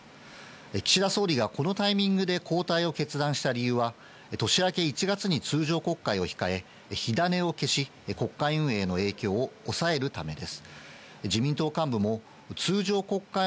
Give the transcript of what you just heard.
岸田総理がこのタイミングで交代を決断した理由は年明け１月に通常国会を控え、火種を消し、国会運営への影響を抑えるためです。